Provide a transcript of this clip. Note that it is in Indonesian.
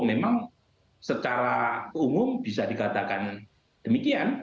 memang secara umum bisa dikatakan demikian